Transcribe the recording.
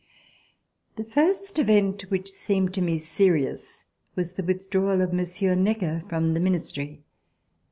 The first event which seemed to me serious was the withdrawal of Monsieur Necker from the Minis try.